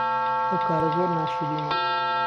ئەوکارە زۆر ناشیرینە